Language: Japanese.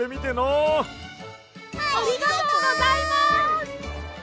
ありがとうございます！